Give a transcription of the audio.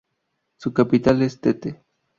Su capital es Tete.